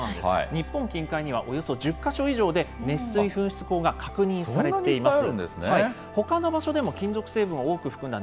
日本近海には、およそ１０か所以上で熱水噴出孔が確認されています。